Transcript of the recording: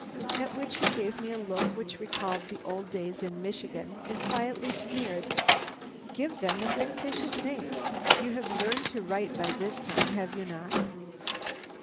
"At which he gave me a look which recalled the old days in Michigan, and quietly sneered: "'Give them a fictitious name. You have learned to write by this time, have you not?'